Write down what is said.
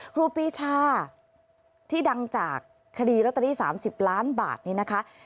ครูปีชาที่ดังจากคดีลอตเตอรี่๓๐ล้านบาทนี่นะคะ